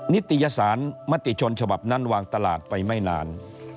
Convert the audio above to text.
นิตยสารมติชนฉบับนั้นวางตลาดไปไม่นาน